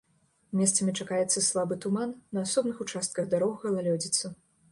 Месцамі чакаецца слабы туман, на асобных участках дарог галалёдзіца.